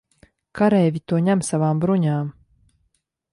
Kareivji to ņem savām bruņām.